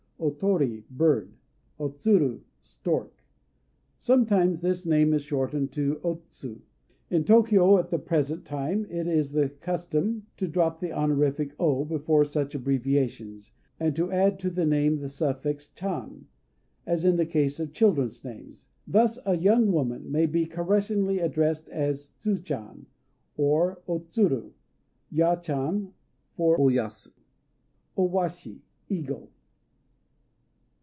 O Tori "Bird." O Tsuru "Stork." Sometimes this name is shortened into O Tsu. In Tôkyô at the present time it is the custom to drop the honorific "O" before such abbreviations, and to add to the name the suffix "chan," as in the case of children's names. Thus a young woman may be caressingly addressed as "Tsu chan" (for O Tsuru), "Ya chan" (for O Yasu), etc. O Washi "Eagle."